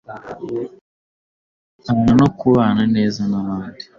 kubahana no kubana neza n’abandi.